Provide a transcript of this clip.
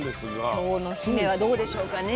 今日の姫はどうでしょうかね。